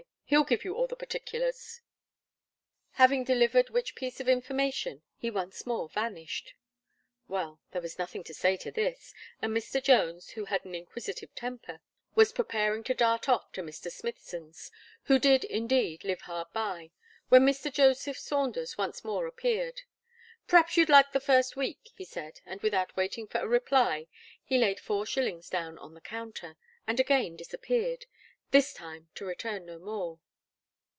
He'll give you all the particulars." Having delivered which piece of information, he once more vanished. Well, there was nothing to say to this; and Mr. Jones, who had an inquisitive temper, was preparing to dart off to Mr. Smithson's, who did indeed live hard by, when Mr. Joseph Saunders once more appeared. "P'r'aps you'd like the first week," he said; and without waiting for a reply, he laid four shillings down on the counter, and again disappeared this time to return no more.